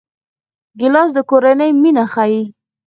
ګیلاس د کورنۍ مینه ښيي.